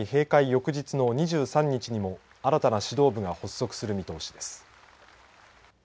翌日の２３日にも新たな指導部が発足する見通しです。